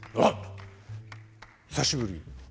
あっ久しぶり。